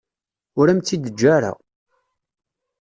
Ur am-tt-id-teǧǧa ara.